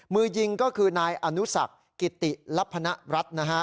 มือยิงก็คือนายอนุสักกิติลพนรัฐนะฮะ